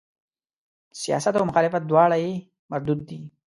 سیاست او مخالفت دواړه یې مردود دي.